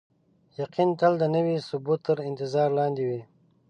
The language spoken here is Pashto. یقین تل د نوي ثبوت تر انتظار لاندې وي.